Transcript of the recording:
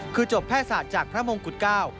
คือจบแพทยศาสตร์จากพระมงกุฎเก้า